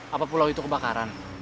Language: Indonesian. apa pulau itu kebakaran